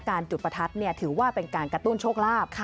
จุดประทัดถือว่าเป็นการกระตุ้นโชคลาภ